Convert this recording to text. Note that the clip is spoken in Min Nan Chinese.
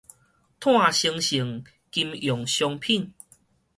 湠生性金融商品